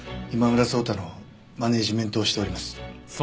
今村草太のマネジメントをしております。